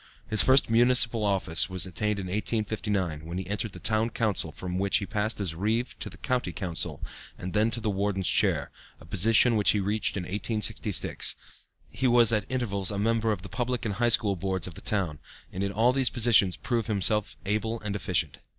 His first municipal office was attained in 1859, when he entered the Town Council, from which he passed as Reeve to the County Council, and then to the Warden's chair, a position which he reached in 1866. He was at intervals a member of the Public and High School Boards of the town, and in all of these positions proved himself able and efficient.